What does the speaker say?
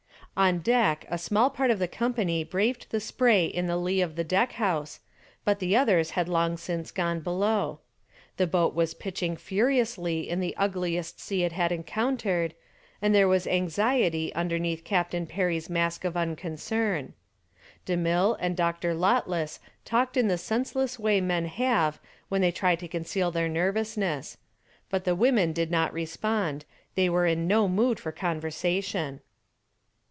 On deck a small part of the company braved the spray in the lee of the deck house, but the others had long since gone below. The boat was pitching furiously in the ugliest sea it had encountered, and there was anxiety underneath Captain Perry's mask of unconcern. DeMille and Dr. Lotless talked in the senseless way men have when they try to conceal their nervousness. But the women did not respond; they were in no mood for conversation.